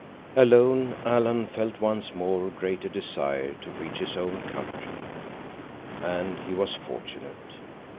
Alone, Alan felt once more a greater desire to reach his own country. And he was fortunate.